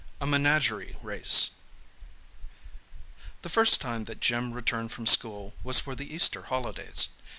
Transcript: A MENAGERIE RACE The first time that Jim returned from school was for the Easter holidays.